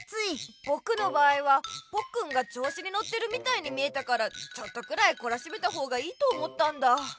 僕の場合はポッくんがちょうしにのってるみたいに見えたからちょっとくらいこらしめたほうがいいと思ったんだ。